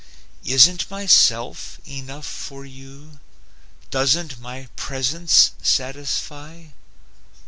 Isn't my Self enough for you? Doesn't my Presence satisfy?